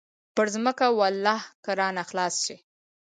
پر ځمکه ولله که رانه خلاص سي.